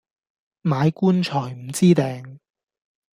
買棺材唔知埞